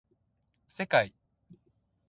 せかい